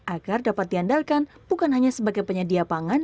agar dapat diandalkan bukan hanya sebagai penyedia pangan